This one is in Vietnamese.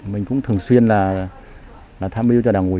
mình cũng thường xuyên tham mưu cho đảng ủy